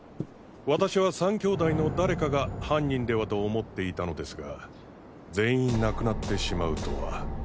私は三兄弟の誰かが犯人ではと思っていたのですが全員亡くなってしまうとは。